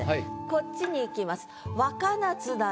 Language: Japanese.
こっちに行きます。